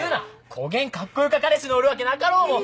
こげんかっこよか彼氏のおるわけなかろうもん！